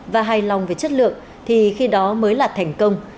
và hài lòng về chất lượng thì khi đó mới là thành công